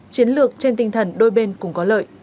chiến lược trên tinh thần đôi bên cũng có lợi